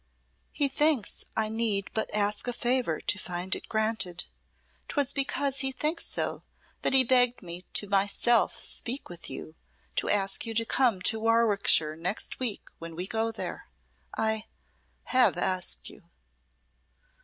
"He thinks I need but ask a favour to find it granted. 'Twas because he thinks so that he begged me to myself speak with you, to ask you to come to Warwickshire next week when we go there. I have asked you."